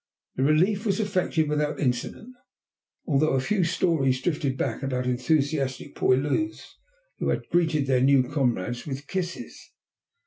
The relief was effected without incident, although a few stories drifted back about enthusiastic poilus who had greeted their new comrades with kisses.